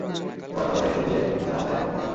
এবার পান্ডাটাকে সরিয়ে ঠান্ডা মাথায় আমার কথা শোনো।